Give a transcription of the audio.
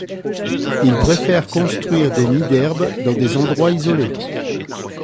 Il préfère construire des nids d'herbe dans des endroits isolés.